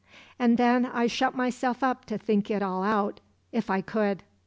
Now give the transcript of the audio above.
And then I shut myself up to think it all out—if I could.